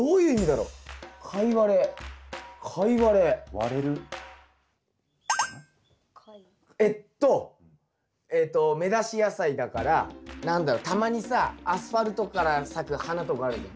割れる？えっとえっと芽出し野菜だから何だろたまにさアスファルトから咲く花とかあるじゃん。